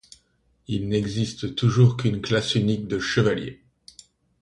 Il n’existe toujours qu'une classe unique de chevalier.